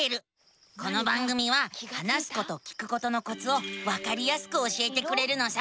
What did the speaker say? この番組は話すこと聞くことのコツをわかりやすく教えてくれるのさ。